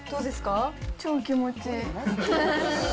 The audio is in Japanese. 超気持ちいい。